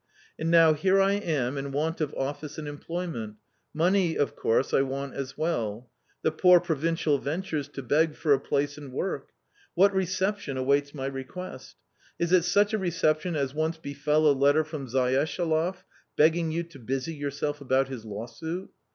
And now here I am in want of office and employment ; money, of course, I want as well. The poor provincial ventures to beg for a place and work. What reception awaits my request? Is it such a reception as once befel a letter from Zayeshaloff begging you to busy yourself about his lawsuit?